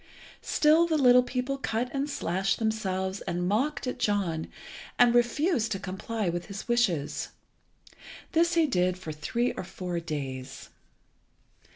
Still the little people cut and slashed themselves and mocked at John, and refused to comply with his wishes. This he did for three or four days.